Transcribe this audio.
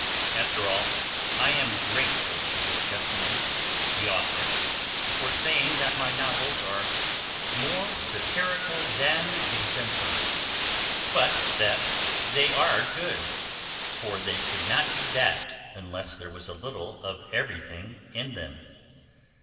After all, I am grateful to this gentleman, the author, for saying that my novels are more satirical than exemplary, but that they are good; for they could not be that unless there was a little of everything in them.